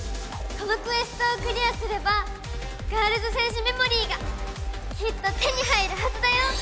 そのクエストをクリアすればガールズ×戦士メモリーがきっと手に入るはずだよ。